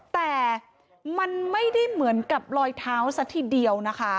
แต่มันไม่ได้เหมือนกับรอยเท้าซะทีเดียวนะคะ